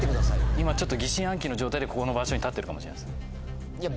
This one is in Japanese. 今ちょっと疑心暗鬼の状態でここの場所に立ってるかもしれないです。